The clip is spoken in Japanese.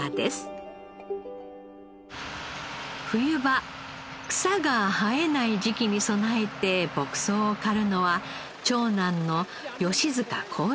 冬場草が生えない時期に備えて牧草を刈るのは長男の吉塚公太郎さん。